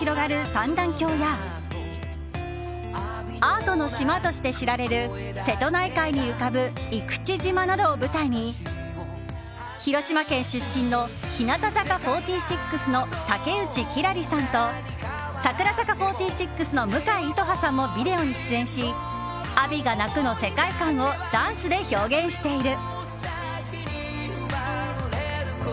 三段峡やアートの島として知られる瀬戸内海に浮かぶ生口島などを舞台に広島県出身の日向坂４６の竹内希来里さんと櫻坂４６の向井純葉さんもビデオに出演し「アビが鳴く」の世界観をダンスで表現している。